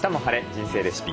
人生レシピ」。